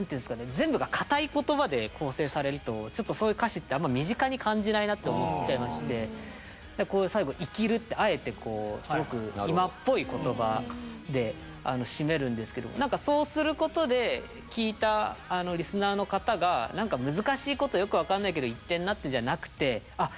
全部が硬い言葉で構成されるとちょっとそういう歌詞ってあんま身近に感じないなって思っちゃいましてこう最後「イキる」ってあえてすごく今っぽい言葉で締めるんですけどそうすることで聴いたリスナーの方が何か難しいことよく分かんないけど言ってんなってじゃなくてあっ